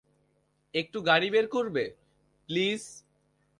একটু গাড়ি বের করবে, প্লিজ।